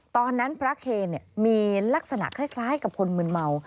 ตอนนั้นพระเคนมีลักษณะคล้ายกับคนมืนเมา